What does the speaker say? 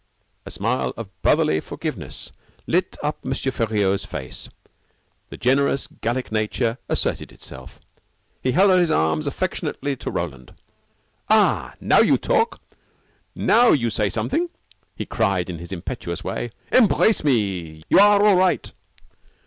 A smile of brotherly forgiveness lit up M. Feriaud's face. The generous Gallic nature asserted itself. He held out his arms affectionately to Roland. "Ah, now you talk. Now you say something," he cried in his impetuous way. "Embrace me. You are all right."